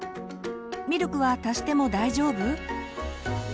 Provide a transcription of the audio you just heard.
「ミルクは足しても大丈夫？」。